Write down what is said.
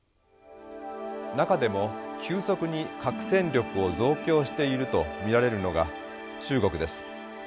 中でも急速に核戦力を増強していると見られるのが中国です。